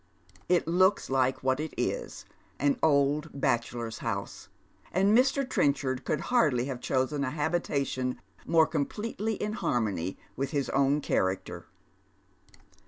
It looka ^ke what it is — an old bachelor's house, — and Mr. Trenchard could hardly have chosen a habitation more completely in harmony •with his own character.